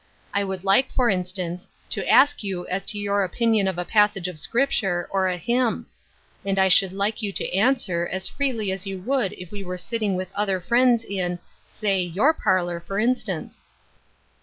I woi Id like, for instance, to ask you as to your opinion of a passage of Scripture, or a hymn ; and I should like you to answer as freely as you would if we were sitting with other friends in — say 1/our parlor, for instance."